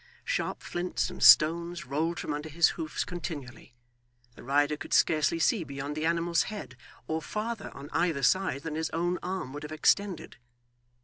Sharp flints and stones rolled from under his hoofs continually; the rider could scarcely see beyond the animal's head, or farther on either side than his own arm would have extended.